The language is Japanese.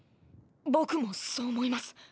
僕もそう思います。